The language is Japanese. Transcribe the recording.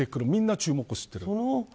みんな注目するという。